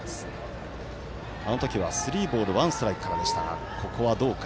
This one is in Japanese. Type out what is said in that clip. あの時はスリーボールワンストライクからでしたがここは、どうか。